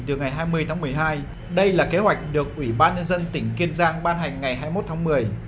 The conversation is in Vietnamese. từ ngày hai mươi tháng một mươi hai đây là kế hoạch được ủy ban nhân dân tỉnh kiên giang ban hành ngày hai mươi một tháng một mươi